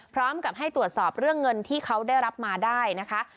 พร้อมกับให้ตรวจสอบเรื่องเงินที่เขาได้รับมาได้นะคะ